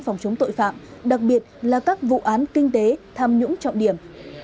phòng chống tội phạm đặc biệt là các vụ án kinh tế tham nhũng trọng điểm